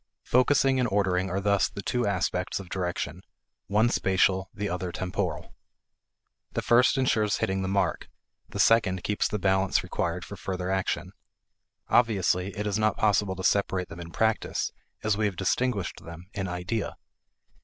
Focusing and ordering are thus the two aspects of direction, one spatial, the other temporal. The first insures hitting the mark; the second keeps the balance required for further action. Obviously, it is not possible to separate them in practice as we have distinguished them in idea.